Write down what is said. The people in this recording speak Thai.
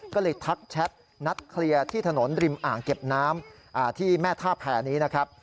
ก็เลยทักแชทนัดเคลียร์ที่ถนนริมอ่างเก็บน้ำที่แม่ท่าแผ่นี้นะครับ